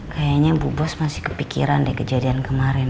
kayaknya bu bos masih kepikiran di kejadian kemarin